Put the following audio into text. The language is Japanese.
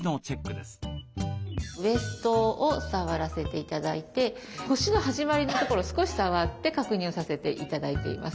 ウエストを触らせて頂いて腰の始まりのところ少し触って確認をさせて頂いています。